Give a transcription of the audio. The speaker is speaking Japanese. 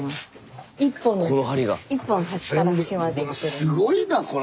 すごいなこれ！